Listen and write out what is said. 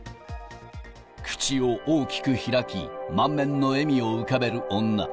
口を大きく開き、満面の笑みを浮かべる女。